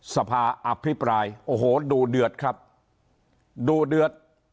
สภาอภิปรายโอ้โหดูเดือดครับดูเดือด